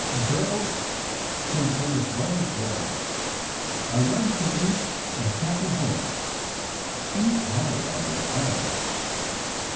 "' Gurrls can turrn as well as wurrms. I rrun to rreach a happpy Homme.' — She's hard on the R's.